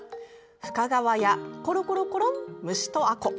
「深川やコロコロコロン虫と吾子」。